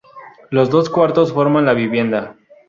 Los dos cuartos forman la vivienda.